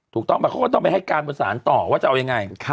ถูกต้องป่ะเขาก็ต้องไปให้การบนสารต่อว่าจะเอายังไง